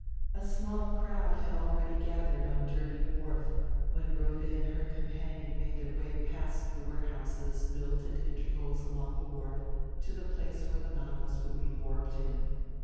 A small crowd had already gathered on Derby Wharf when Rhoda and her companion made their way past the warehouses built at intervals along the wharf to the place where the Nautilus would be warped in.